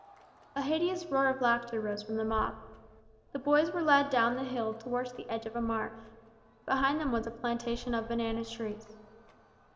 A hideous roar of laughter rose from the mob. The boys were led down the hill towards the edge of a marsh. Behind them was a plantation of banana trees.